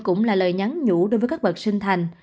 cũng là lời nhắn nhủ đối với các bậc sinh thành